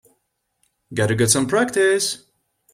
Got to get some practice.